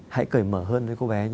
hãy cởi mở hơn với cô bé nhé